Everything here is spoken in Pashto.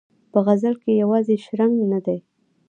په غزل کې یې یوازې شرنګ نه دی.